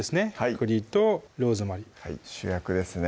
栗とローズマリー主役ですね